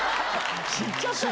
知っちゃったよ